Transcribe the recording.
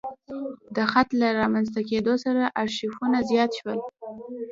د خط له رامنځته کېدو سره ارشیفونه زیات شول.